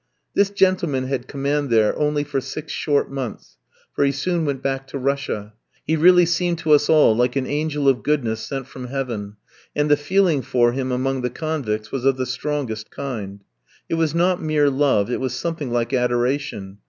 This gentleman had command there only for six short months, for he soon went back to Russia. He really seemed to us all like an angel of goodness sent from heaven, and the feeling for him among the convicts was of the strongest kind; it was not mere love, it was something like adoration.